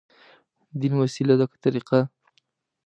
دين وسيله ده، که طريقه؟